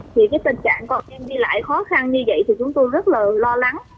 thì cái tình trạng bọn em đi lại khó khăn như vậy thì chúng tôi rất là lo lắng